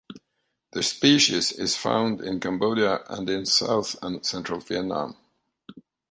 The species is found in Cambodia and in south and central Vietnam.